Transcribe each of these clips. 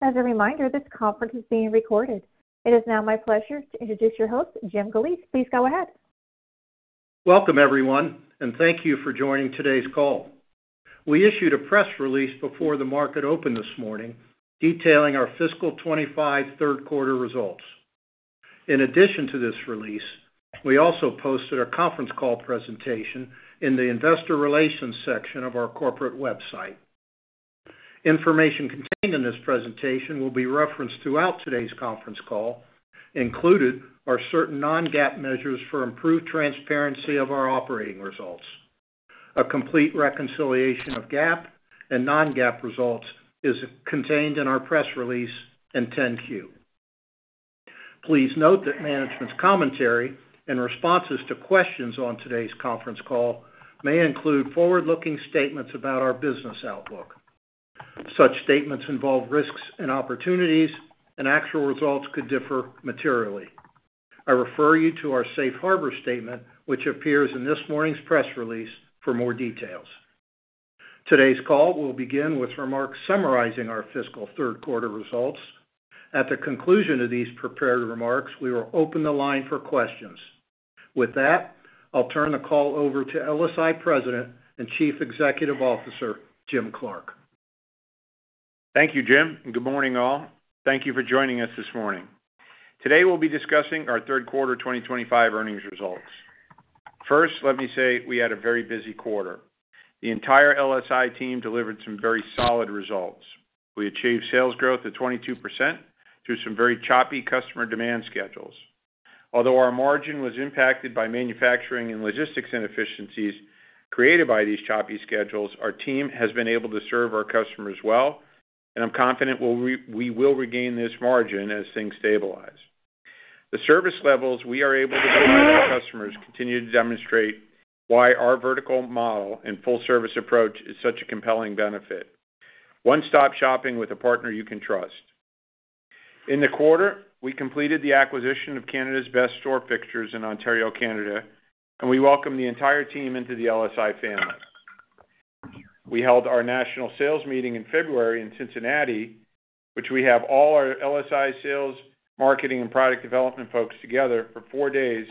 As a reminder, this conference is being recorded. It is now my pleasure to introduce your host, Jim Galeese. Please go ahead. Welcome, everyone, and thank you for joining today's call. We issued a press release before the market opened this morning detailing our fiscal 2025 third quarter results. In addition to this release, we also posted a conference call presentation in the investor relations section of our corporate website. Information contained in this presentation will be referenced throughout today's conference call, included are certain non-GAAP measures for improved transparency of our operating results. A complete reconciliation of GAAP and non-GAAP results is contained in our press release and 10-Q. Please note that management's commentary and responses to questions on today's conference call may include forward-looking statements about our business outlook. Such statements involve risks and opportunities, and actual results could differ materially. I refer you to our safe harbor statement, which appears in this morning's press release for more details. Today's call will begin with remarks summarizing our fiscal third quarter results. At the conclusion of these prepared remarks, we will open the line for questions. With that, I'll turn the call over to LSI President and Chief Executive Officer, Jim Clark. Thank you, Jim. Good morning, all. Thank you for joining us this morning. Today, we'll be discussing our third quarter 2025 earnings results. First, let me say we had a very busy quarter. The entire LSI team delivered some very solid results. We achieved sales growth of 22% through some very choppy customer demand schedules. Although our margin was impacted by manufacturing and logistics inefficiencies created by these choppy schedules, our team has been able to serve our customers well, and I'm confident we will regain this margin as things stabilize. The service levels we are able to provide our customers continue to demonstrate why our vertical model and full-service approach is such a compelling benefit. One-stop shopping with a partner you can trust. In the quarter, we completed the acquisition of Canada's Best Store Fixtures in Ontario, Canada, and we welcomed the entire team into the LSI family. We held our national sales meeting in February in Cincinnati, which we have all our LSI sales, marketing, and product development folks together for four days,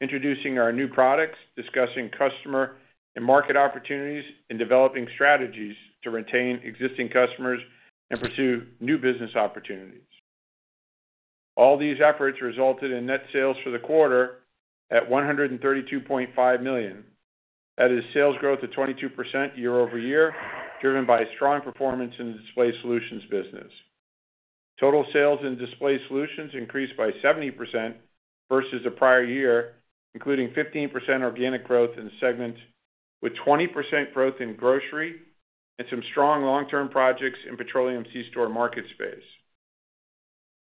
introducing our new products, discussing customer and market opportunities, and developing strategies to retain existing customers and pursue new business opportunities. All these efforts resulted in net sales for the quarter at $132.5 million. That is sales growth of 22% year-over-year, driven by strong performance in the Display Solutions business. Total sales in Display Solutions increased by 70% versus the prior year, including 15% organic growth in the segment, with 20% growth in grocery and some strong long-term projects in Petroleum C-Store market space.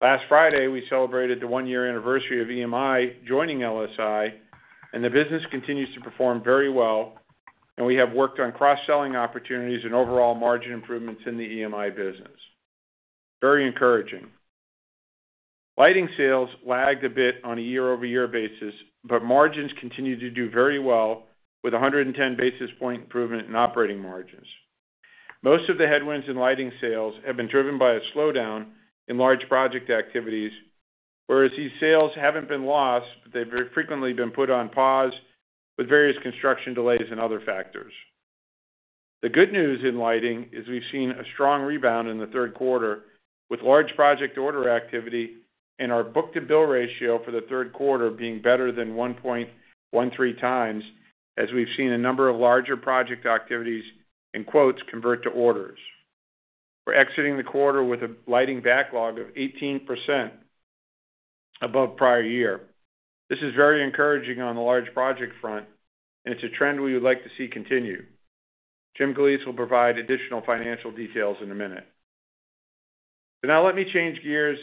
Last Friday, we celebrated the one-year anniversary of EMI joining LSI, and the business continues to perform very well, and we have worked on cross-selling opportunities and overall margin improvements in the EMI business. Very encouraging. Lighting sales lagged a bit on a year-over-year basis, but margins continue to do very well with 110 basis point improvement in operating margins. Most of the headwinds in lighting sales have been driven by a slowdown in large project activities, whereas these sales have not been lost, but they have frequently been put on pause with various construction delays and other factors. The good news in lighting is we have seen a strong rebound in the third quarter with large project order activity and our book-to-bill ratio for the third quarter being better than 1.13 times, as we have seen a number of larger project activities and quotes convert to orders. We are exiting the quarter with a lighting backlog of 18% above prior year. This is very encouraging on the large project front, and it is a trend we would like to see continue. Jim Galeese will provide additional financial details in a minute. Now let me change gears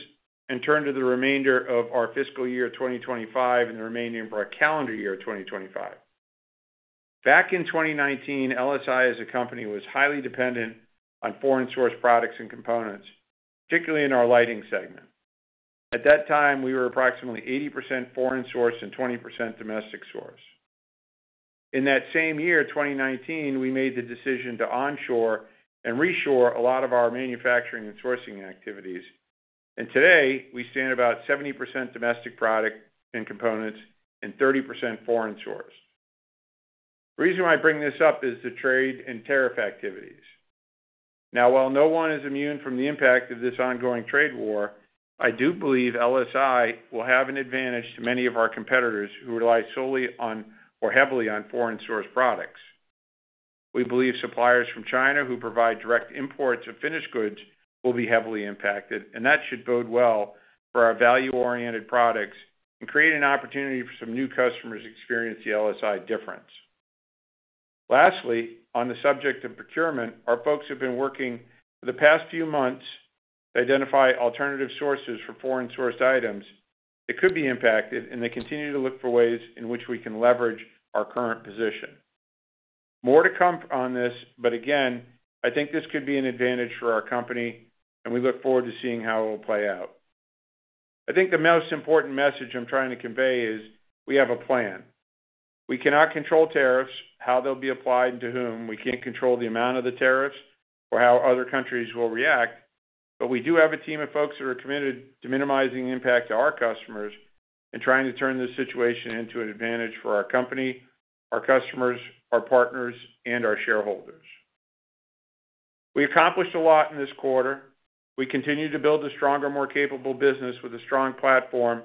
and turn to the remainder of our fiscal year 2025 and the remainder of our calendar year 2025. Back in 2019, LSI as a company was highly dependent on foreign-sourced products and components, particularly in our Lighting Segment. At that time, we were approximately 80% foreign-sourced and 20% domestic-sourced. In that same year, 2019, we made the decision to onshore and reshore a lot of our manufacturing and sourcing activities, and today we stand about 70% domestic product and components and 30% foreign-sourced. The reason why I bring this up is the trade and tariff activities. Now, while no one is immune from the impact of this ongoing trade war, I do believe LSI will have an advantage to many of our competitors who rely solely on or heavily on foreign-sourced products. We believe suppliers from China who provide direct imports of finished goods will be heavily impacted, and that should bode well for our value-oriented products and create an opportunity for some new customers to experience the LSI difference. Lastly, on the subject of procurement, our folks have been working for the past few months to identify alternative sources for foreign-sourced items that could be impacted, and they continue to look for ways in which we can leverage our current position. More to come on this, but again, I think this could be an advantage for our company, and we look forward to seeing how it will play out. I think the most important message I'm trying to convey is we have a plan. We cannot control tariffs, how they'll be applied and to whom. We can't control the amount of the tariffs or how other countries will react, but we do have a team of folks that are committed to minimizing impact to our customers and trying to turn this situation into an advantage for our company, our customers, our partners, and our shareholders. We accomplished a lot in this quarter. We continue to build a stronger, more capable business with a strong platform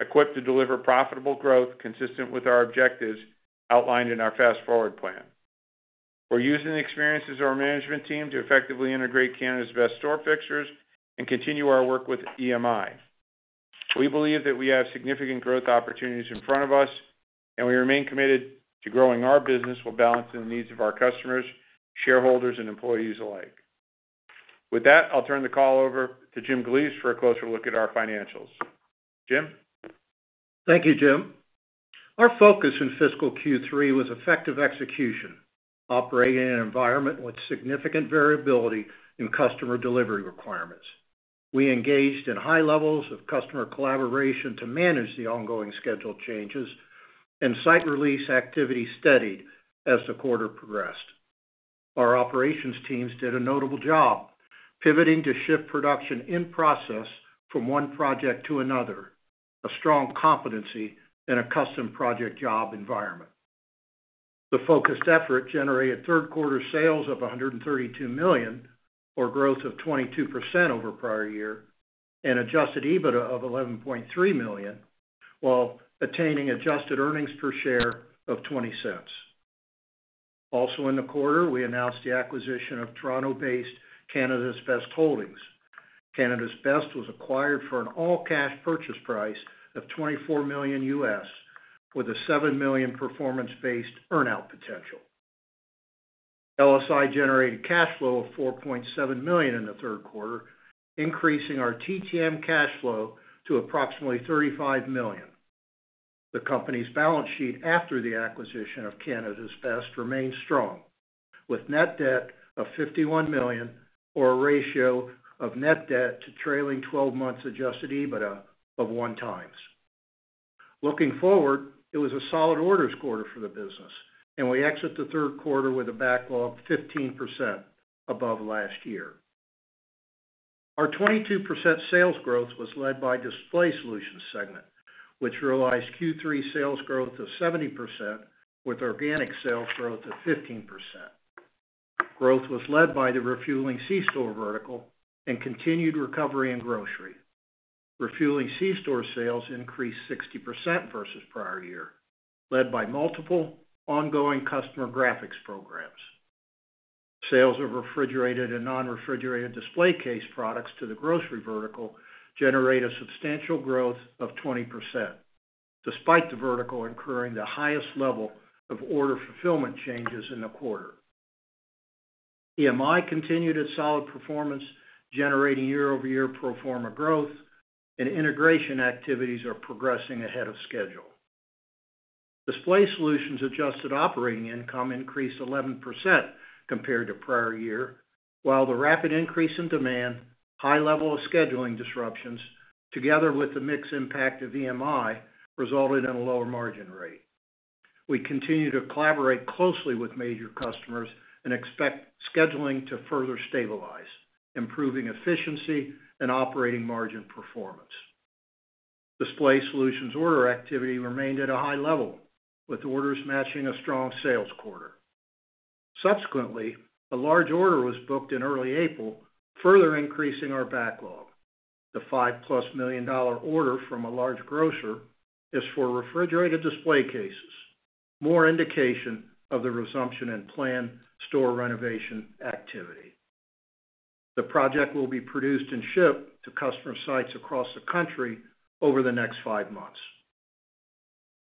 equipped to deliver profitable growth consistent with our objectives outlined in our Fast Forward plan. We're using the experiences of our management team to effectively integrate Canada's Best Store Fixtures and continue our work with EMI. We believe that we have significant growth opportunities in front of us, and we remain committed to growing our business while balancing the needs of our customers, shareholders, and employees alike. With that, I'll turn the call over to Jim Galeese for a closer look at our financials. Jim? Thank you, Jim. Our focus in fiscal Q3 was effective execution, operating in an environment with significant variability in customer delivery requirements. We engaged in high levels of customer collaboration to manage the ongoing schedule changes, and site release activity steadied as the quarter progressed. Our operations teams did a notable job, pivoting to shift production in process from one project to another, a strong competency in a custom project job environment. The focused effort generated third-quarter sales of $132 million, or growth of 22% over prior year, and adjusted EBITDA of $11.3 million, while attaining adjusted earnings per share of $0.20. Also in the quarter, we announced the acquisition of Toronto-based Canada's Best Holdings. Canada's Best was acquired for an all-cash purchase price of $24 million, with a $7 million performance-based earn-out potential. LSI generated cash flow of $4.7 million in the third quarter, increasing our TTM cash flow to approximately $35 million. The company's balance sheet after the acquisition of Canada's Best remained strong, with net debt of $51 million, or a ratio of net debt to trailing 12 months adjusted EBITDA of one times. Looking forward, it was a solid orders quarter for the business, and we exit the third quarter with a backlog of 15% above last year. Our 22% sales growth was led by Display Solutions Segment, which realized Q3 sales growth of 70% with organic sales growth of 15%. Growth was led by the Refueling C-Store vertical and continued recovery in grocery. Refueling C-Store sales increased 60% versus prior year, led by multiple ongoing customer graphics programs. Sales of refrigerated and non-refrigerated display case products to the grocery vertical generated a substantial growth of 20%, despite the vertical incurring the highest level of order fulfillment changes in the quarter. EMI continued its solid performance, generating year-over-year proforma growth, and integration activities are progressing ahead of schedule. Display Solutions' adjusted operating income increased 11% compared to prior year, while the rapid increase in demand, high level of scheduling disruptions, together with the mixed impact of EMI, resulted in a lower margin rate. We continue to collaborate closely with major customers and expect scheduling to further stabilize, improving efficiency and operating margin performance. Display Solutions' order activity remained at a high level, with orders matching a strong sales quarter. Subsequently, a large order was booked in early April, further increasing our backlog. The $5-plus million order from a large grocer is for refrigerated display cases, more indication of the resumption in planned store renovation activity. The project will be produced and shipped to customer sites across the country over the next five months.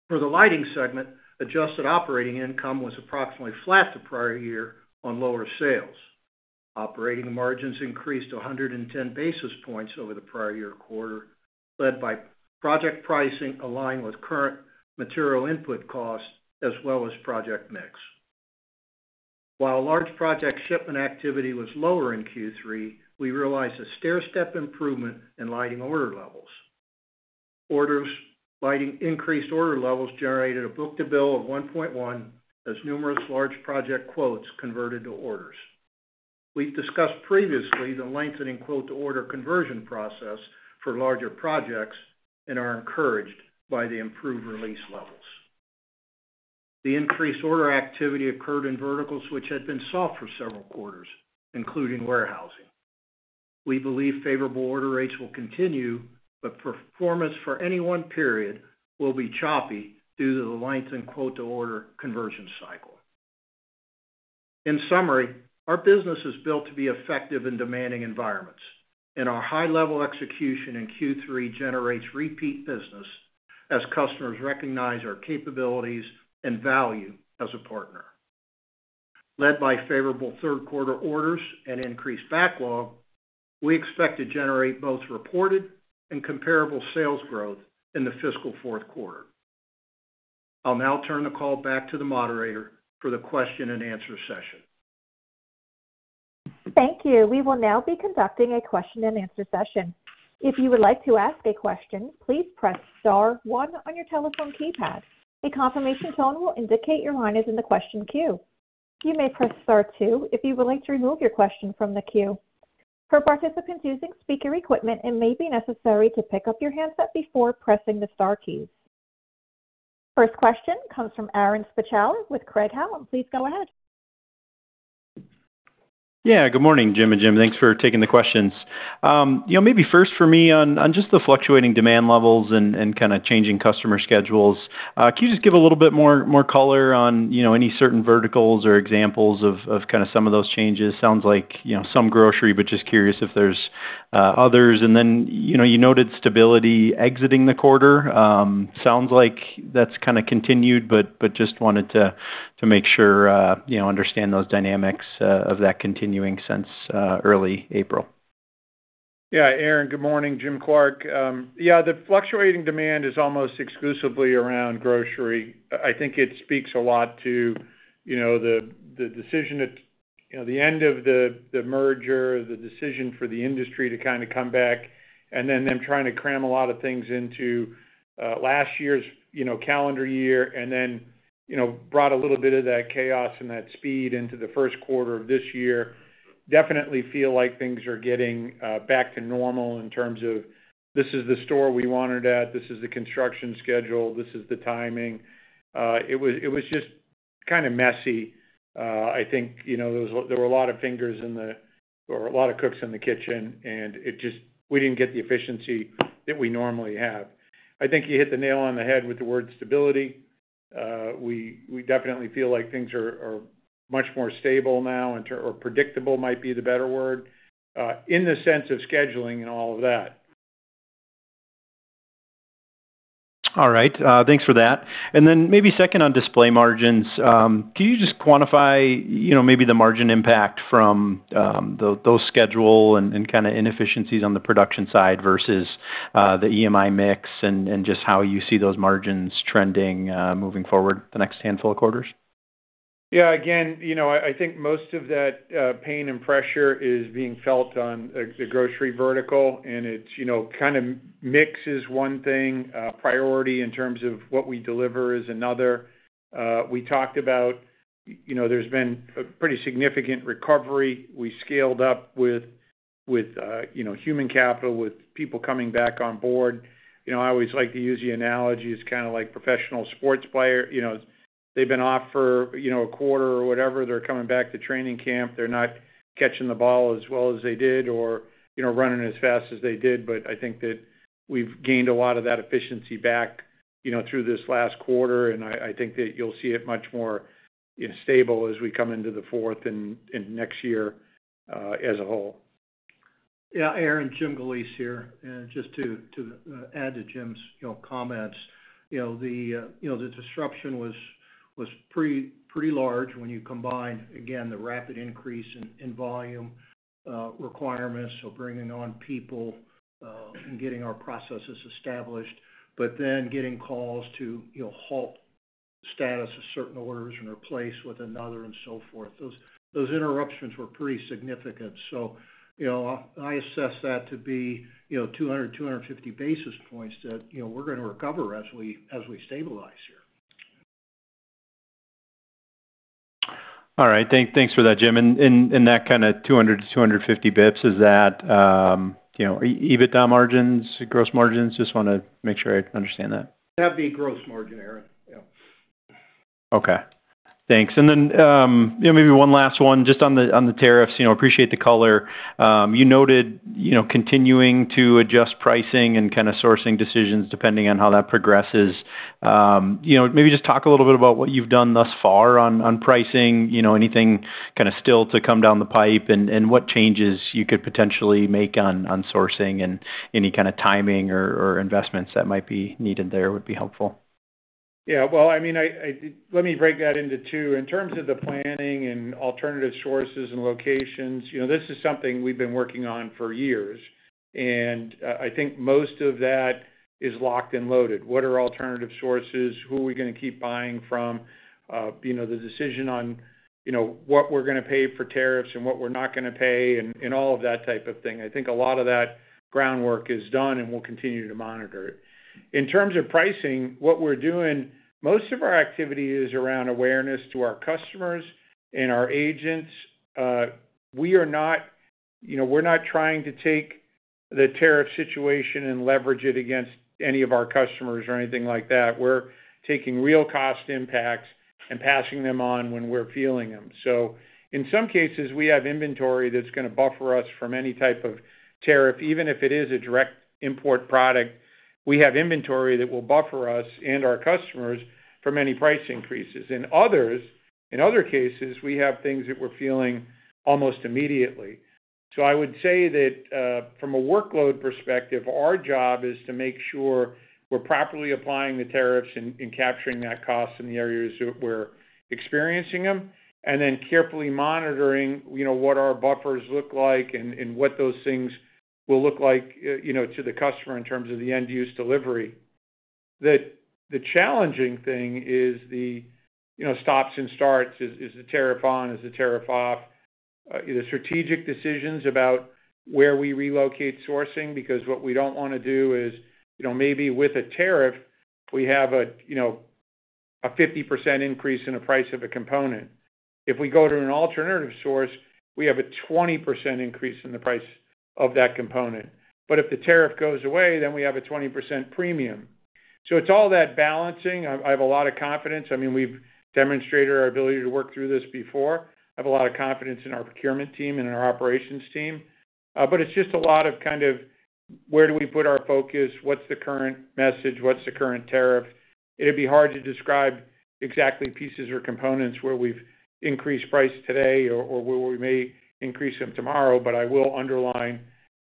For the Lighting Segment, adjusted operating income was approximately flat to prior year on lower sales. Operating margins increased 110 basis points over the prior year quarter, led by project pricing aligned with current material input costs as well as project mix. While large project shipment activity was lower in Q3, we realized a stair-step improvement in lighting order levels. Lighting increased order levels generated a book-to-bill of 1.13 as numerous large project quotes converted to orders. We have discussed previously the lengthening quote-to-order conversion process for larger projects and are encouraged by the improved release levels. The increased order activity occurred in verticals which had been soft for several quarters, including warehousing. We believe favorable order rates will continue, but performance for any one period will be choppy due to the lengthened quote-to-order conversion cycle. In summary, our business is built to be effective in demanding environments, and our high-level execution in Q3 generates repeat business as customers recognize our capabilities and value as a partner. Led by favorable third-quarter orders and increased backlog, we expect to generate both reported and comparable sales growth in the fiscal fourth quarter. I'll now turn the call back to the moderator for the question-and-answer session. Thank you. We will now be conducting a question-and-answer session. If you would like to ask a question, please press star one on your telephone keypad. A confirmation tone will indicate your line is in the question queue. You may press star two if you would like to remove your question from the queue. For participants using speaker equipment, it may be necessary to pick up your handset before pressing the star keys. First question comes from Aaron Spychalla with Craig-Hallum. Please go ahead. Yeah, good morning, Jim and Jim. Thanks for taking the questions. Maybe first for me on just the fluctuating demand levels and kind of changing customer schedules, can you just give a little bit more color on any certain verticals or examples of kind of some of those changes? Sounds like some grocery, but just curious if there's others. You noted stability exiting the quarter. Sounds like that's kind of continued, but just wanted to make sure understand those dynamics of that continuing since early April. Yeah, Aaron, good morning. Jim Clark. Yeah, the fluctuating demand is almost exclusively around grocery. I think it speaks a lot to the decision at the end of the merger, the decision for the industry to kind of come back, and then them trying to cram a lot of things into last year's calendar year and then brought a little bit of that chaos and that speed into the first quarter of this year. Definitely feel like things are getting back to normal in terms of this is the store we wanted at, this is the construction schedule, this is the timing. It was just kind of messy. I think there were a lot of fingers in the or a lot of cooks in the kitchen, and we did not get the efficiency that we normally have. I think you hit the nail on the head with the word stability. We definitely feel like things are much more stable now, or predictable might be the better word, in the sense of scheduling and all of that. All right. Thanks for that. Maybe second on display margins, can you just quantify maybe the margin impact from those schedule and kind of inefficiencies on the production side versus the EMI mix and just how you see those margins trending moving forward the next handful of quarters? Yeah, again, I think most of that pain and pressure is being felt on the grocery vertical, and it kind of mix is one thing, priority in terms of what we deliver is another. We talked about there's been a pretty significant recovery. We scaled up with human capital, with people coming back on board. I always like to use the analogy as kind of like professional sports players. They've been off for a quarter or whatever. They're coming back to training camp. They're not catching the ball as well as they did or running as fast as they did, but I think that we've gained a lot of that efficiency back through this last quarter, and I think that you'll see it much more stable as we come into the fourth and next year as a whole. Yeah, Aaron, Jim Galeese here. Just to add to Jim's comments, the disruption was pretty large when you combined, again, the rapid increase in volume requirements, so bringing on people and getting our processes established, but then getting calls to halt status of certain orders and replace with another and so forth. Those interruptions were pretty significant. I assess that to be 200-250 basis points that we're going to recover as we stabilize here. All right. Thanks for that, Jim. And that kind of 200 to 250 basis points, is that EBITDA margins, gross margins? Just want to make sure I understand that. That'd be gross margin, Aaron. Yeah. Okay. Thanks. Maybe one last one, just on the tariffs. Appreciate the color. You noted continuing to adjust pricing and kind of sourcing decisions depending on how that progresses. Maybe just talk a little bit about what you've done thus far on pricing, anything kind of still to come down the pipe, and what changes you could potentially make on sourcing and any kind of timing or investments that might be needed there would be helpful. Yeah. I mean, let me break that into two. In terms of the planning and alternative sources and locations, this is something we've been working on for years, and I think most of that is locked and loaded. What are alternative sources? Who are we going to keep buying from? The decision on what we're going to pay for tariffs and what we're not going to pay and all of that type of thing. I think a lot of that groundwork is done and we'll continue to monitor it. In terms of pricing, what we're doing, most of our activity is around awareness to our customers and our agents. We are not trying to take the tariff situation and leverage it against any of our customers or anything like that. We're taking real cost impacts and passing them on when we're feeling them. In some cases, we have inventory that's going to buffer us from any type of tariff, even if it is a direct import product. We have inventory that will buffer us and our customers from any price increases. In other cases, we have things that we're feeling almost immediately. I would say that from a workload perspective, our job is to make sure we're properly applying the tariffs and capturing that cost in the areas that we're experiencing them, and then carefully monitoring what our buffers look like and what those things will look like to the customer in terms of the end-use delivery. The challenging thing is the stops and starts: is the tariff on? Is the tariff off? The strategic decisions about where we relocate sourcing, because what we don't want to do is maybe with a tariff, we have a 50% increase in the price of a component. If we go to an alternative source, we have a 20% increase in the price of that component. If the tariff goes away, then we have a 20% premium. It is all that balancing. I have a lot of confidence. I mean, we've demonstrated our ability to work through this before. I have a lot of confidence in our procurement team and in our operations team. It is just a lot of kind of where do we put our focus? What's the current message? What's the current tariff? It'd be hard to describe exactly pieces or components where we've increased price today or where we may increase them tomorrow, but I will underline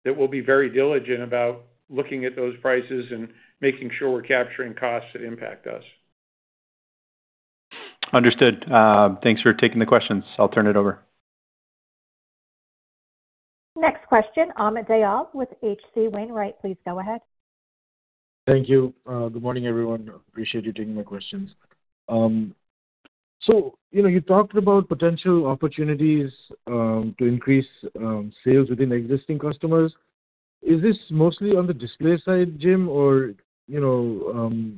that we'll be very diligent about looking at those prices and making sure we're capturing costs that impact us. Understood. Thanks for taking the questions. I'll turn it over. Next question, Amit Dayal with H.C. Wainwright. Please go ahead. Thank you. Good morning, everyone. Appreciate you taking my questions. You talked about potential opportunities to increase sales within existing customers. Is this mostly on the display side, Jim, or is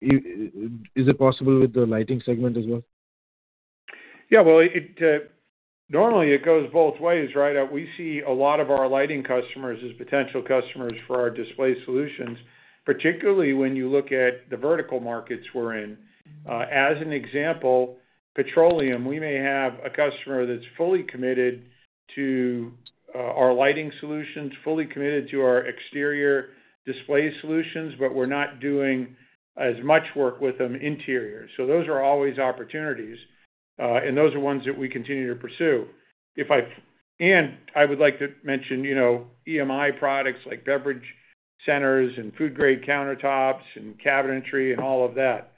it possible with the Lighting Segment as well? Yeah. Normally it goes both ways, right? We see a lot of our lighting customers as potential customers for our Display Solutions, particularly when you look at the vertical markets we're in. As an example, petroleum, we may have a customer that's fully committed to our Lighting Solutions, fully committed to our exterior Display Solutions, but we're not doing as much work with them interior. Those are always opportunities, and those are ones that we continue to pursue. I would like to mention EMI products like beverage centers and food-grade countertops and cabinetry and all of that.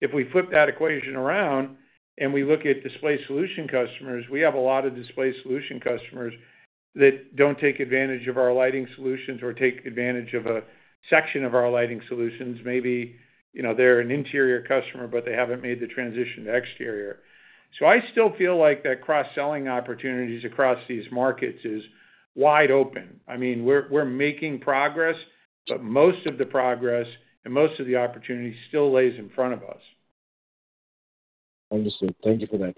If we flip that equation around and we look at Display Solutions customers, we have a lot of Display Solutions customers that don't take advantage of our Lighting Solutions or take advantage of a section of our Lighting Solutions. Maybe they're an interior customer, but they haven't made the transition to exterior. I still feel like that cross-selling opportunities across these markets is wide open. I mean, we're making progress, but most of the progress and most of the opportunity still lays in front of us. Understood. Thank you for that.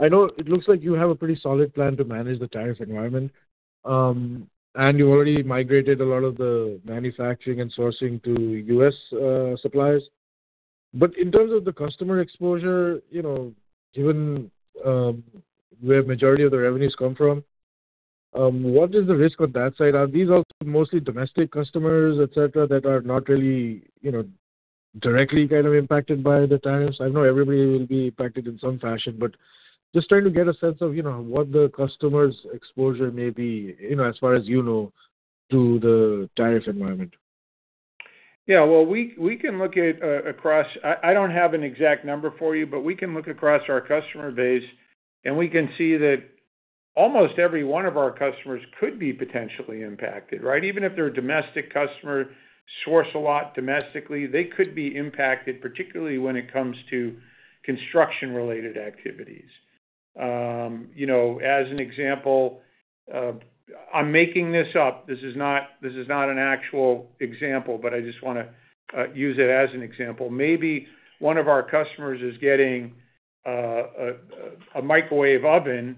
I know it looks like you have a pretty solid plan to manage the tariff environment, and you've already migrated a lot of the manufacturing and sourcing to U.S. suppliers. In terms of the customer exposure, given where the majority of the revenues come from, what is the risk on that side? Are these also mostly domestic customers, etc., that are not really directly kind of impacted by the tariffs? I know everybody will be impacted in some fashion, just trying to get a sense of what the customer's exposure may be as far as you know to the tariff environment. Yeah. We can look at across—I don't have an exact number for you, but we can look across our customer base, and we can see that almost every one of our customers could be potentially impacted, right? Even if they're a domestic customer, source a lot domestically, they could be impacted, particularly when it comes to construction-related activities. As an example, I'm making this up. This is not an actual example, but I just want to use it as an example. Maybe one of our customers is getting a microwave oven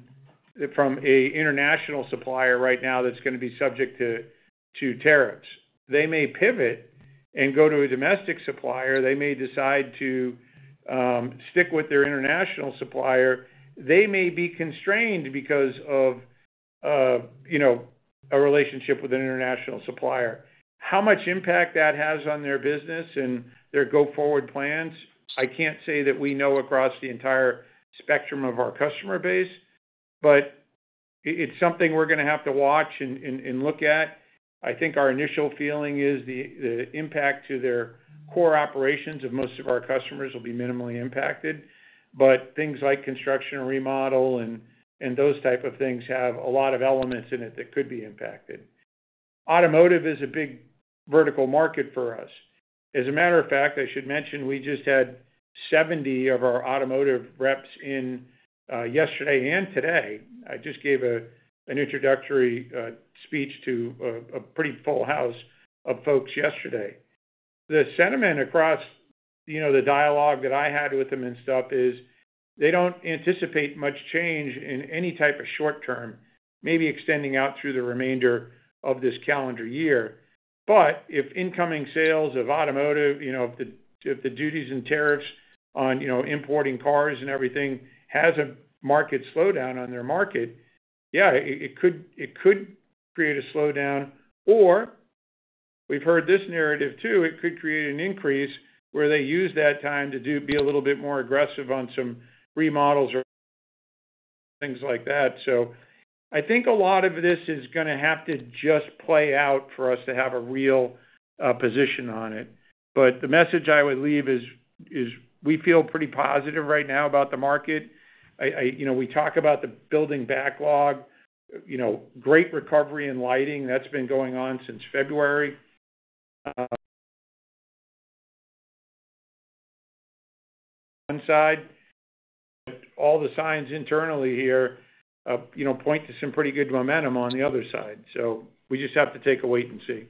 from an international supplier right now that's going to be subject to tariffs. They may pivot and go to a domestic supplier. They may decide to stick with their international supplier. They may be constrained because of a relationship with an international supplier. How much impact that has on their business and their go-forward plans, I can't say that we know across the entire spectrum of our customer base, but it's something we're going to have to watch and look at. I think our initial feeling is the impact to their core operations of most of our customers will be minimally impacted, but things like construction and remodel and those types of things have a lot of elements in it that could be impacted. Automotive is a big vertical market for us. As a matter of fact, I should mention we just had 70 of our automotive reps in yesterday and today. I just gave an introductory speech to a pretty full house of folks yesterday. The sentiment across the dialogue that I had with them and stuff is they do not anticipate much change in any type of short term, maybe extending out through the remainder of this calendar year. If incoming sales of automotive, if the duties and tariffs on importing cars and everything has a market slowdown on their market, yeah, it could create a slowdown. We have heard this narrative too, it could create an increase where they use that time to be a little bit more aggressive on some remodels or things like that. I think a lot of this is going to have to just play out for us to have a real position on it. The message I would leave is we feel pretty positive right now about the market. We talk about the building backlog, great recovery in lighting that has been going on since February. One side, but all the signs internally here point to some pretty good momentum on the other side. We just have to take a wait and see.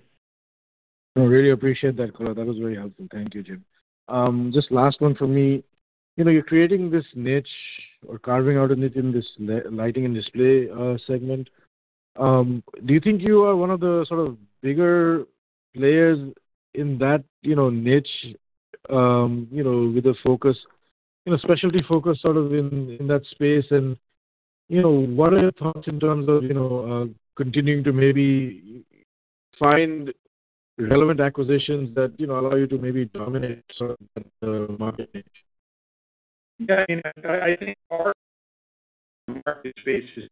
I really appreciate that, Clark. That was very helpful. Thank you, Jim. Just last one for me. You're creating this niche or carving out a niche in this Lighting and Display segment. Do you think you are one of the sort of bigger players in that niche with a focus, specialty focus sort of in that space? What are your thoughts in terms of continuing to maybe find relevant acquisitions that allow you to maybe dominate sort of that market niche? Yeah. I mean, I think our market space is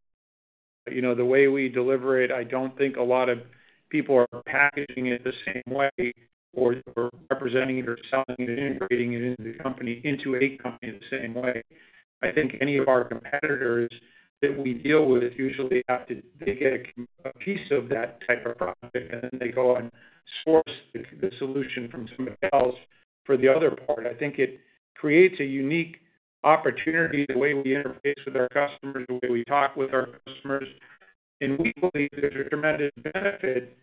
the way we deliver it. I do not think a lot of people are packaging it the same way or representing it or selling it and integrating it into a company the same way. I think any of our competitors that we deal with usually have to get a piece of that type of product, and then they go and source the solution from somebody else for the other part. I think it creates a unique opportunity the way we interface with our customers, the way we talk with our customers. We believe there is a tremendous benefit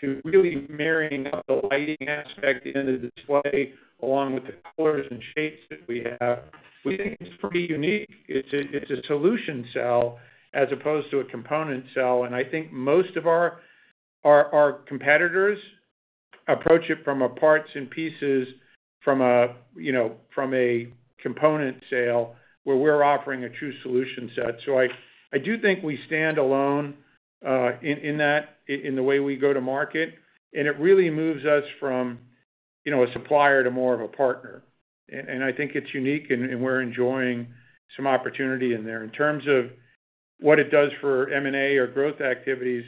to really marrying up the lighting aspect and the display along with the colors and shapes that we have. We think it is pretty unique. It is a solution sell as opposed to a component sell. I think most of our competitors approach it from a parts and pieces, from a component sale, where we're offering a true solution set. I do think we stand alone in that, in the way we go to market, and it really moves us from a supplier to more of a partner. I think it's unique, and we're enjoying some opportunity in there. In terms of what it does for M&A or growth activities,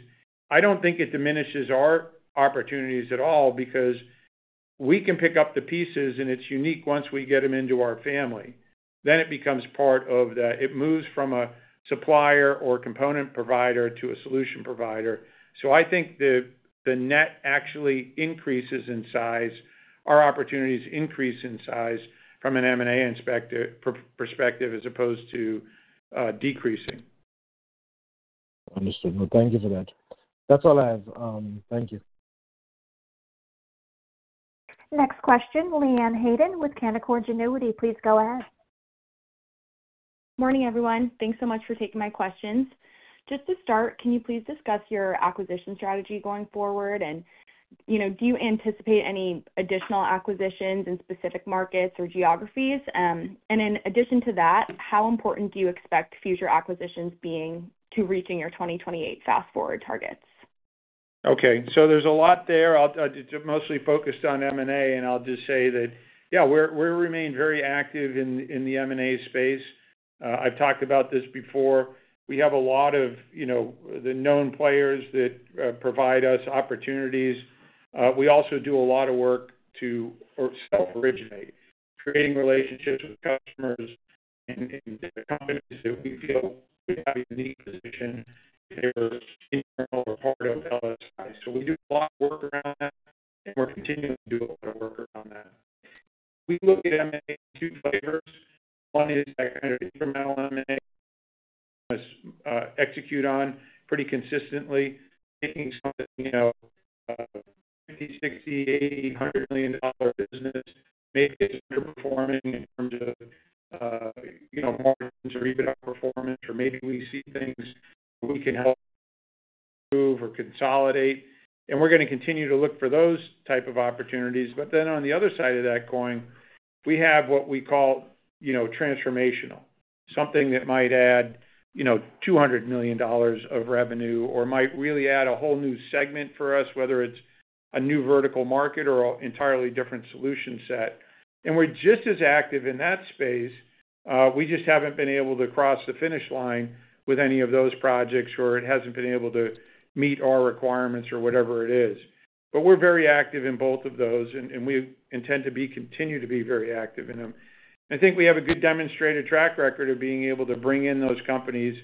I don't think it diminishes our opportunities at all because we can pick up the pieces, and it's unique once we get them into our family. Then it becomes part of that. It moves from a supplier or component provider to a solution provider. I think the net actually increases in size. Our opportunities increase in size from an M&A perspective as opposed to decreasing. Understood. Thank you for that. That's all I have. Thank you. Next question, Leanne Hayden with Canaccord Genuity. Please go ahead. Morning, everyone. Thanks so much for taking my questions. Just to start, can you please discuss your acquisition strategy going forward, and do you anticipate any additional acquisitions in specific markets or geographies? In addition to that, how important do you expect future acquisitions to be to reaching your 2028 Fast Forward targets? Okay. There is a lot there. I'll mostly focus on M&A, and I'll just say that, yeah, we remain very active in the M&A space. I've talked about this before. We have a lot of the known players that provide us opportunities. We also do a lot of work to self-originate, creating relationships with customers and companies that we feel we have a unique position if they were internal or part of LSI. We do a lot of work around that, and we're continuing to do a lot of work around that. We look at M&A in two flavors. One is that kind of incremental M&A that we must execute on pretty consistently, making something like a $50 million, $60 million, $80 million, $100 million business. Maybe it's underperforming in terms of margins or even our performance, or maybe we see things that we can help move or consolidate. We are going to continue to look for those types of opportunities. On the other side of that coin, we have what we call transformational, something that might add $200 million of revenue or might really add a whole new segment for us, whether it is a new vertical market or an entirely different solution set. We are just as active in that space. We just have not been able to cross the finish line with any of those projects where it has not been able to meet our requirements or whatever it is. We are very active in both of those, and we intend to continue to be very active in them. I think we have a good demonstrated track record of being able to bring in those companies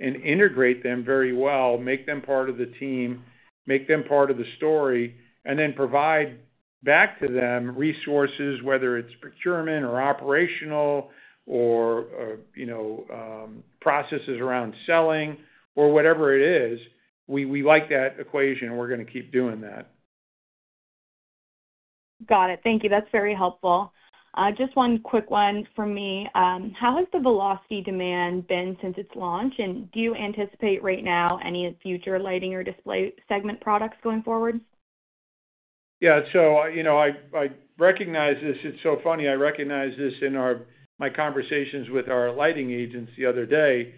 and integrate them very well, make them part of the team, make them part of the story, and then provide back to them resources, whether it's procurement or operational or processes around selling or whatever it is. We like that equation, and we're going to keep doing that. Got it. Thank you. That's very helpful. Just one quick one from me. How has the V-LOCITY demand been since its launch? Do you anticipate right now any future Lighting or Display Segment products going forward? Yeah. I recognize this. It's so funny. I recognize this in my conversations with our lighting agents the other day.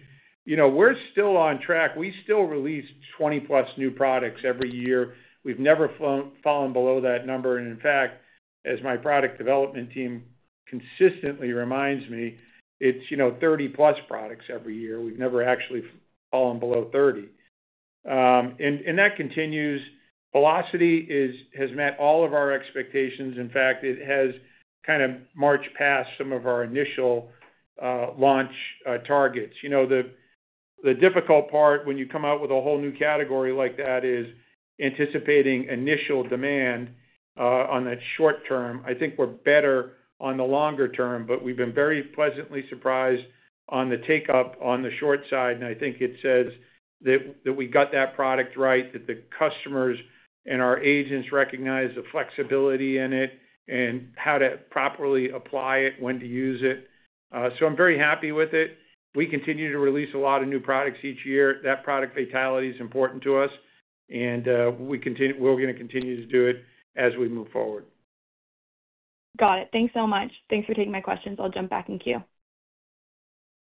We're still on track. We still release 20-plus new products every year. We've never fallen below that number. In fact, as my product development team consistently reminds me, it's 30-plus products every year. We've never actually fallen below 30. That continues. V-LOCITY has met all of our expectations. In fact, it has kind of marched past some of our initial launch targets. The difficult part when you come out with a whole new category like that is anticipating initial demand on that short term. I think we're better on the longer term, but we've been very pleasantly surprised on the take-up on the short side. I think it says that we got that product right, that the customers and our agents recognize the flexibility in it and how to properly apply it, when to use it. I am very happy with it. We continue to release a lot of new products each year. That product fatality is important to us, and we are going to continue to do it as we move forward. Got it. Thanks so much. Thanks for taking my questions. I'll jump back in queue.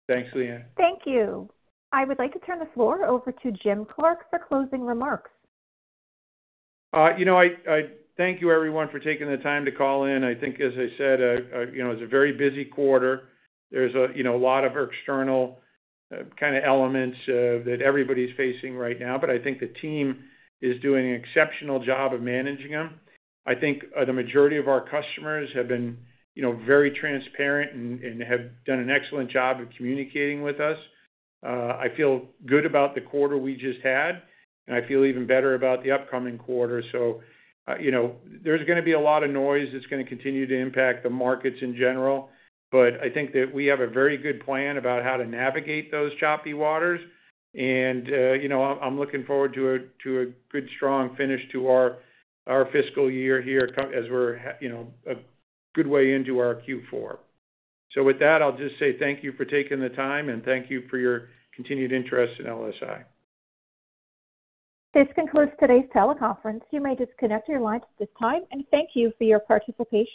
Thanks, Leanne. Thank you. I would like to turn the floor over to Jim Clark for closing remarks. Thank you, everyone, for taking the time to call in. I think, as I said, it's a very busy quarter. There's a lot of external kind of elements that everybody's facing right now, but I think the team is doing an exceptional job of managing them. I think the majority of our customers have been very transparent and have done an excellent job of communicating with us. I feel good about the quarter we just had, and I feel even better about the upcoming quarter. There is going to be a lot of noise. It's going to continue to impact the markets in general, but I think that we have a very good plan about how to navigate those choppy waters. I'm looking forward to a good, strong finish to our fiscal year here as we're a good way into our Q4. With that, I'll just say thank you for taking the time, and thank you for your continued interest in LSI. This concludes today's teleconference. You may disconnect your lines at this time, and thank you for your participation.